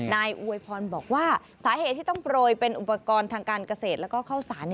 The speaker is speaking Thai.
อวยพรบอกว่าสาเหตุที่ต้องโปรยเป็นอุปกรณ์ทางการเกษตรแล้วก็เข้าสาร